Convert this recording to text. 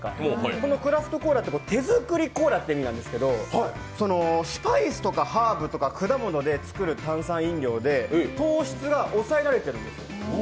このクラフトコーラは手作りコーラという意味なんですけど、スパイスとかハーブとか果物で作る炭酸飲料で、糖質が抑えられてるんですよ。